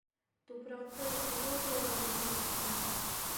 Тупраҡты эрозияға дусар иттең.